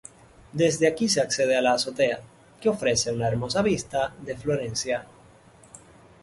Desde aquí se accede a la azotea, que ofrece una hermosa vista de Florencia.